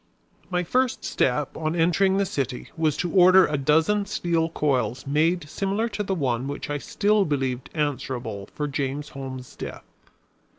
My first step on entering the city was to order a dozen steel coils made similar to the one which I still believed answerable for James Holmes' death.